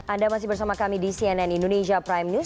anda masih bersama kami di cnn indonesia prime news